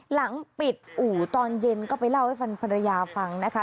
หลังปิดอู่ตอนเย็นก็ไปเล่าให้ฟันภรรยาฟังนะคะ